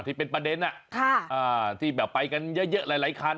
ที่เป็นประเด็นค่ะอ่าที่แบบไปกันเยอะเยอะหลายหลายคัน